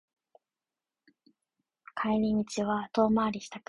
帰り道は遠回りしたくなる